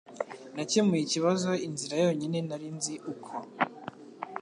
Nakemuye ikibazo inzira yonyine nari nzi uko.